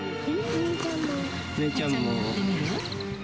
芽衣ちゃんもやってみる？